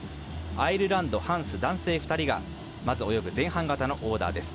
アイルランド、ハンス男性２人が、まず泳ぐ前半型のオーダーです。